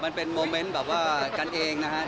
มันเป็นโมเมนต์แบบว่ากันเองนะครับ